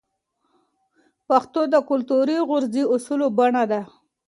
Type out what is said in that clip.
پښتو د کلتوري غورزی اصولو بڼه ده.